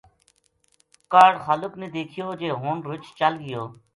کاہڈ خالق نے دیکھیو جے ہن رچھ چل گیو